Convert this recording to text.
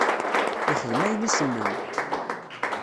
Yexdem ayen i s-nnan.